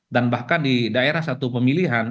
dan bahkan di daerah satu pemilihan